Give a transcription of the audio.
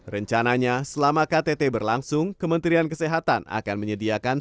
rencananya selama ktt berlangsung kementerian kesehatan akan menyediakan